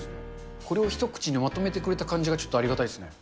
これを一口にまとめてくれた感じがちょっとありがたいですね。